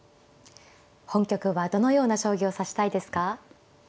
本局はどのような将棋を指したいですか。